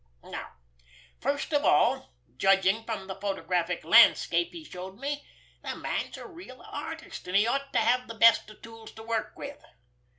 Now, first of all, judging from the photographic landscape he showed me, the man's a real artist, and he ought to have the best of tools to work with.